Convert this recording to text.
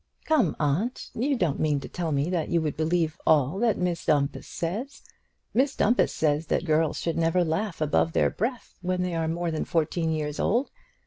"Come, aunt; you don't mean to tell me that you would believe all that Miss Dumpus says. Miss Dumpus says that girls should never laugh above their breath when they are more than fourteen years old.